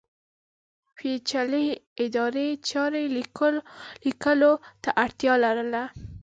پېچلې ادارې چارې لیکلو ته اړتیا لرله.